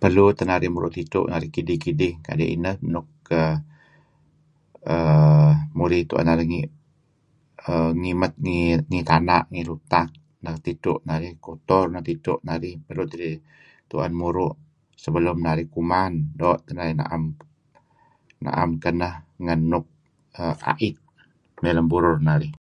Perlu teh narih muru' tidtu' narih kidih-kidih kadi' inan teh nuk err murih tu'en narih err ngimet ngi tana' ngih, lutak neh tidtu kotor neh tidtu' kadi' dih tu'en muru sebelum narih kuman doo' teh narih na'em na'em keneh ngan nuk err a'it mey lem burur narih.